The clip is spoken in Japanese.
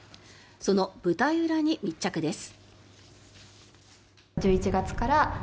その舞台裏に密着です。